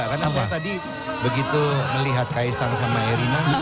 karena soal tadi begitu melihat kaisang sama erina